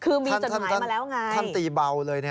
คือมีจนไหมทีมาแล้วไงค่ะค่ะมีจดหมายมาแล้วแหงค่ะ